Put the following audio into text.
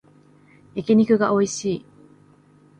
焼き肉がおいしい